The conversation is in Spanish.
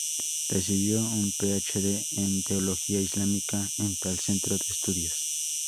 Recibió un PhD en teología islámica en tal centro de estudios.